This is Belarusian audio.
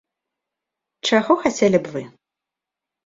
Чаго хацелі б вы?